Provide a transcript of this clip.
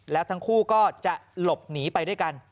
แล้วทั้งคู่ก็จะหลบหนีไปด้วยกัน